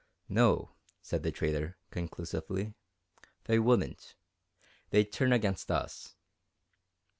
"No," said the trader, conclusively, "they wouldn't. They'd turn against us."